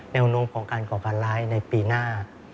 แนวโน้มของการก่อการร้ายในปีหน้า